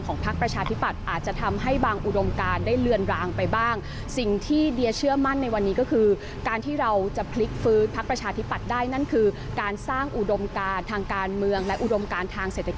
ของประชาชนคนไทยอีกครั้งหนึ่งค่ะ